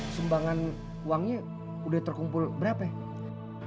sumbangan uangnya udah terkumpul berapa ya